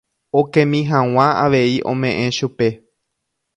Okemi hag̃ua avei ome'ẽ chupe.